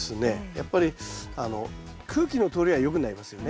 やっぱり空気の通りが良くなりますよね。